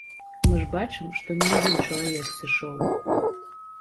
Мы ж бачым, што не адзін чалавек сышоў.